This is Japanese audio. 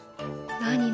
何？